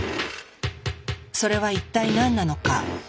それは一体何なのか。